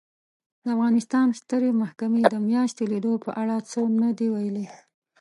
د افغانستان سترې محکمې د میاشتې لیدو په اړه څه نه دي ویلي